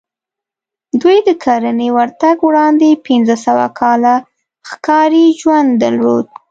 دوی د کرنې ورتګ وړاندې پنځه سوه کاله ښکاري ژوند درلود